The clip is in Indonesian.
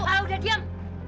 ah udah diam